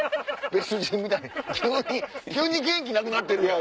別人みたい急に元気なくなってるやん。